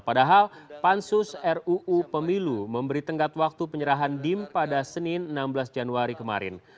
padahal pansus ruu pemilu memberi tenggat waktu penyerahan dim pada senin enam belas januari kemarin